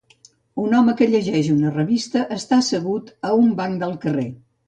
Un home que llegeix una revista està assegut a un banc del carrer.